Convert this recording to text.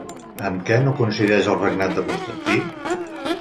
Amb què no coincideix el regnat de Constantí?